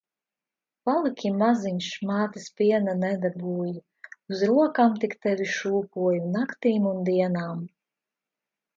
Paliki maziņš, mātes piena nedabūji. Uz rokām tik tevi šūpoju naktīm un dienām.